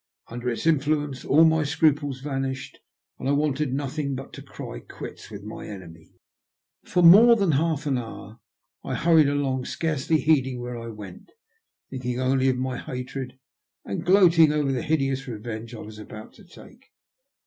Under its influence all my scruples vanished, and I wanted nothing but to cry quits with my enemy. For more than half an hour I hurried along, scarcely heeding where I went, thinking only of my hatred, and gloating over the hideous revenge I was about to take.